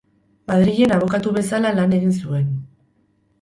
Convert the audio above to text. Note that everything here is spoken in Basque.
Madrilen abokatu bezala lan egin zuen.